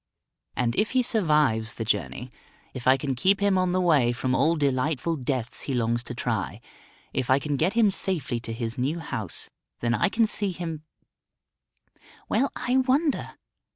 And if he survives the journey; if I can keep him on the way from all delightful deaths he longs to try; if I can get him safely to his new house, then I can see him Well, I wonder.